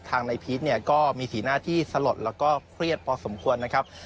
นายพีชเนี่ยก็มีสีหน้าที่สลดแล้วก็เครียดพอสมควรนะครับ